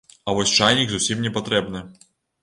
А вось чайнік зусім не патрэбны.